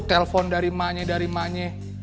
telepon dari emaknya dari emaknya